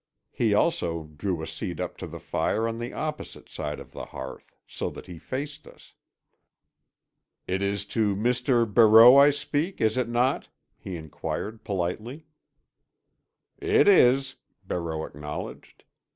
He also drew a seat up to the fire on the opposite side of the hearth so that he faced us. "It is to Mr. Barreau I speak, is it not?" he inquired politely. "It is," Barreau acknowledged.